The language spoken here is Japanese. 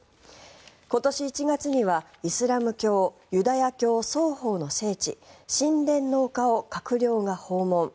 今年１月にはイスラム教ユダヤ教双方の聖地神殿の丘を閣僚が訪問。